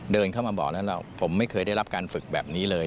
เดินเข้ามาบอกแล้วผมไม่เคยได้รับการฝึกแบบนี้เลย